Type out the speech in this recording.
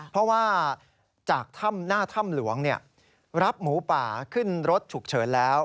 เพราะว่าจากถ้ำหน้าถ้ำหลวงรับหมูป่าขึ้นรถฉุกเฉินแล้ว